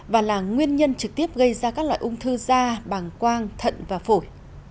và là nguyên nhân trực tiếp gây ra các loại ung thư da bằng quang thận và phổi